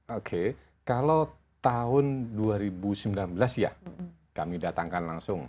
oke kalau tahun dua ribu sembilan belas ya kami datangkan langsung